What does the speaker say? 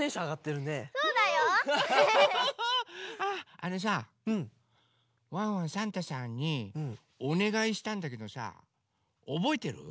あのさワンワンサンタさんにおねがいしたんだけどさおぼえてる？